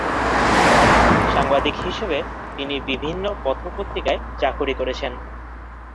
সাংবাদিক হিসেবে তিনি বিভিন্ন পত্র-পত্রিকায় চাকুরী করেছেন।